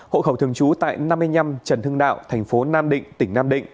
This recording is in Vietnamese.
hộ khẩu thường trú tại năm mươi năm trần hưng đạo thành phố nam định tỉnh nam định